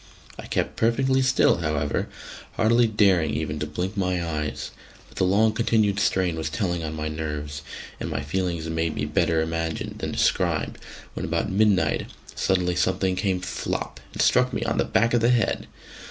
I kept perfectly still, however, hardly daring even to blink my eyes: but the long continued strain was telling on my nerves, and my feelings may be better imagined than described when about midnight suddenly something came flop and struck me on the back of the head.